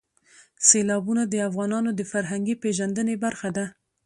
سیلابونه د افغانانو د فرهنګي پیژندنې برخه ده.